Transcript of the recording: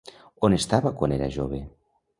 On estava quan era jove?